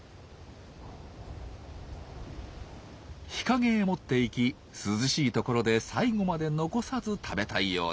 日陰へ持っていき涼しいところで最後まで残さず食べたいようです。